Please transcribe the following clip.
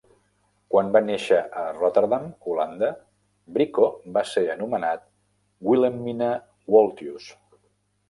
Quan va néixer a Rotterdam, Holanda, Brico va ser anomenat Wilhelmina Wolthius.